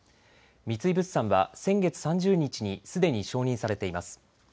三井物産は先月３０日にすでに承認されています。